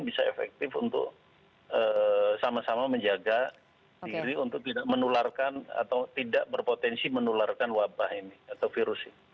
bisa efektif untuk sama sama menjaga diri untuk tidak menularkan atau tidak berpotensi menularkan wabah ini atau virus ini